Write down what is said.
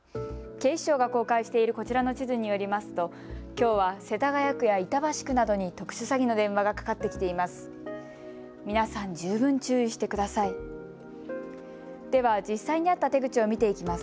警視庁が公開しているこちらの地図によりますときょうは世田谷区や板橋区などに特殊詐欺の電話がかかってきています。